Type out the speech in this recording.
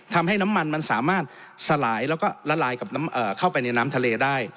ทำให้น้ำมันมันสามารถสลายแล้วก็ละลายเข้าไปในน้ำทะเลได้